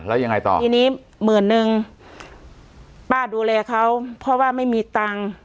แล้วยังไงต่อทีนี้หมื่นนึงป้าดูแลเขาเพราะว่าไม่มีตังค์